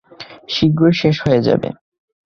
শীঘ্রই শেষ হয়ে যাবে।